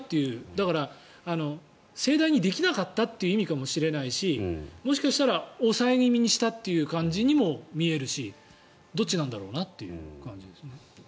だから、盛大にできなかったという意味かもしれないしもしかしたら抑え気味にしたという感じにも見えるしどっちなんだろうなという感じですね。